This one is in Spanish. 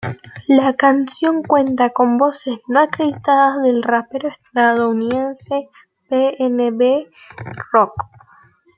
La canción cuenta con voces no acreditadas del rapero estadounidense PnB Rock.